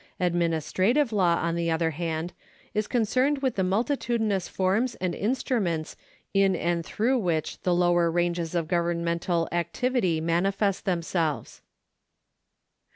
Adminis trative law, on the other hand, is concerned with the multitudinous forms and instruments in and through which tin; lower ranges of governmental activity manifest themselves.